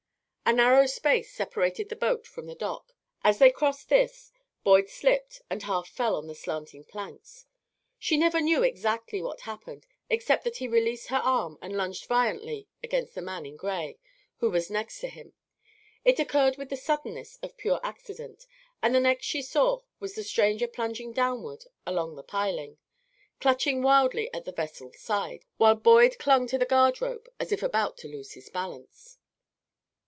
A narrow space separated the boat from the dock; as they crossed this, Boyd slipped and half fell on the slanting planks. She never knew exactly what happened, except that he released her arm and lunged violently against the man in gray, who was next him. It occurred with the suddenness of pure accident, and the next she saw was the stranger plunging downward along the piling, clutching wildly at the vessel's side, while Boyd clung to the guard rope as if about to lose his balance.